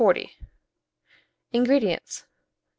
INGREDIENTS.